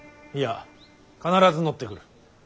いや必ず乗ってくる。